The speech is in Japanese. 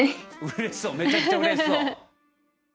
めちゃくちゃうれしそう。